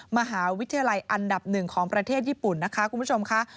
มหาวิทยาลัยอันดับหนึ่งของประเทศญี่ปุ่นนะคะคุณผู้ชมค่ะ